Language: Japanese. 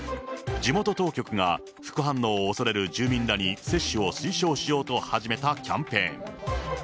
地元当局が副反応を恐れる住民らに接種を推奨しようと始めたキャンペーン。